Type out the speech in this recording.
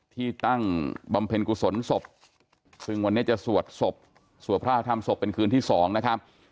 ที่ตั้งบำเพ็ญกุศลศพซึ่งวันนี้จะสวดศพสวดพระอภธรรมศพเป็นคืนที่๒นะครับ